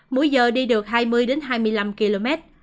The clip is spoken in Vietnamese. mỗi giờ đi được hai mươi hai mươi năm km